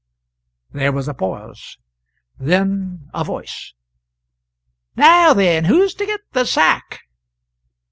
There was a pause; then A Voice. "Now, then, who's to get the sack?"